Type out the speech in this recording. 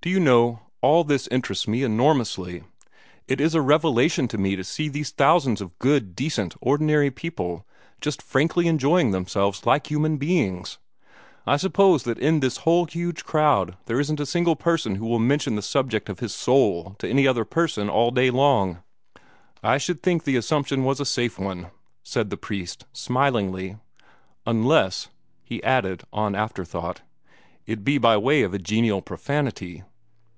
Do you know, all this interests me enormously. It is a revelation to me to see these thousands of good, decent, ordinary people, just frankly enjoying themselves like human beings. I suppose that in this whole huge crowd there isn't a single person who will mention the subject of his soul to any other person all day long." "I should think the assumption was a safe one," said the priest, smilingly, "unless," he added on afterthought, "it be by way of a genial profanity.